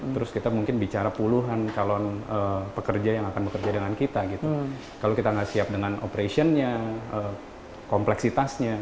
terus kita mungkin bicara puluhan calon pekerja yang akan bekerja dengan kita gitu kalau kita nggak siap dengan operationnya kompleksitasnya